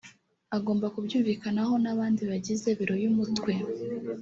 agomba kubyumvikanaho n ‘abandi bagize biro y ‘umutwe .